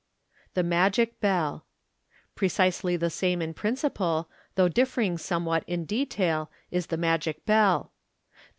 Fig. 304. The Magic Bell.— Precisely the same in principle, though differing somewhat in detail, is the magic bell.